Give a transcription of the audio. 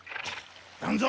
団蔵